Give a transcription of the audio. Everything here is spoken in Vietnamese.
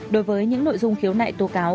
đối với những nội dung khiếu nại tố cáo